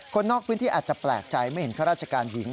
คนนอกพื้นที่อาจจะแปลกใจไม่เห็นข้าราชการหญิง